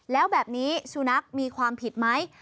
แล้วแบบนี้สุนัขมีความผิดไหม